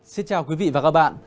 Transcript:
xin chào quý vị và các bạn